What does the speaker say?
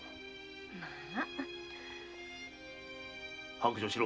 白状しろ。